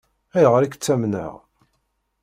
Ayɣer i k-ttamneɣ?